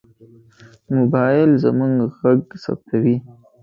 موبایل زموږ غږ ثبتوي.